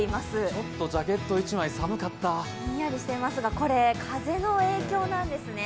ちょっとジャケット１枚寒かったひんやりしていますが、これ、風の影響なんですね。